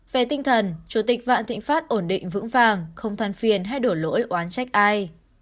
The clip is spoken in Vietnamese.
về tinh thần chủ tịch vạn thịnh pháp ổn định vững vàng không than phiền hay đổ lỗi oán trách ai